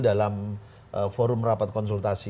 dalam forum rapat konsultasi